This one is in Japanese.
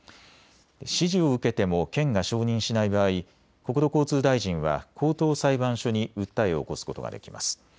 指示を受けても県が承認しない場合、国土交通大臣は高等裁判所に訴えを起こすことができます。